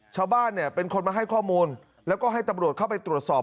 ชาวบ้านเนี่ยเป็นคนมาให้ข้อมูลแล้วก็ให้ตำรวจเข้าไปตรวจสอบ